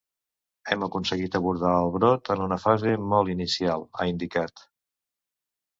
Hem aconseguit abordar el brot en una fase molt inicial, ha indicat.